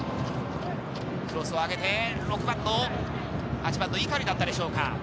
クロスを上げて、８番の碇だったでしょうか。